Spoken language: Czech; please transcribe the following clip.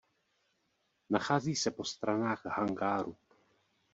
Nachází se po stranách hangáru.